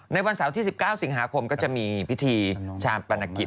วันเสาร์ที่๑๙สิงหาคมก็จะมีพิธีชาปนกิจ